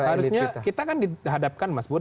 harusnya kita kan dihadapkan mas bud